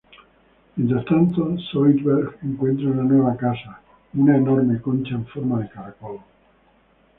Mientras tanto, Zoidberg encuentra una nueva casa, una enorme concha en forma de caracol.